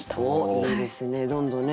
いいですねどんどんね